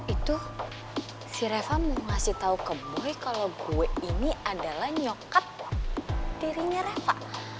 itu si reva mau ngasih tau ke boy kalau gue ini adalah nyokap dirinya reva